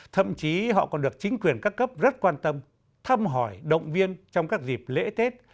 thậm chí họ còn được chính quyền các cấp rất quan tâm thăm hỏi động viên trong các dịp lễ tết